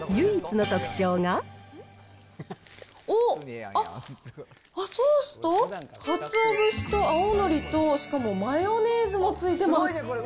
おっ、あっ、ソースとかつお節と青のりと、しかもマヨネーズも付いてます。